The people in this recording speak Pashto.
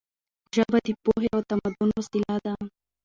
ژبه د پوهې او تمدن وسیله ده.